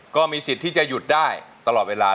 ก็มีสิทธิ์ที่จะหยุดได้ตลอดเวลา